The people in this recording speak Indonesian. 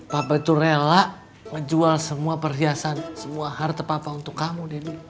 papa itu rela menjual semua perhiasan semua harta papa untuk kamu denny